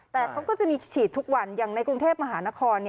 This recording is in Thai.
แต่เขาก็จะมีฉีดทุกวันอย่างในกรุงเทพมหานคร